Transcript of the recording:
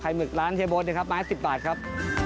ไข่หมึกร้านเชเบิดนะครับมาให้๑๐บาทครับ